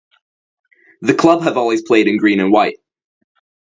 The club have always played in green and white.